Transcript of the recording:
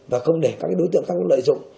và không để các đối tượng khác lợi dụng